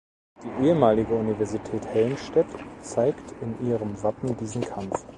Die ehemalige Universität Helmstedt zeigt in ihrem Wappen diesen Kampf.